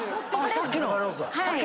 さっきの！